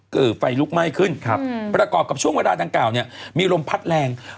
คือไฟลุกไหม้ขึ้นประกอบกับช่วงเวลาจังกล่าวมีลมพัดแรง